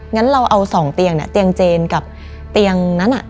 งั้นเราเอา๒เตียงเนี่ยเตียงเจนกับเตียงนั้น